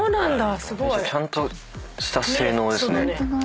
すごい。ちゃんとした性能ですね。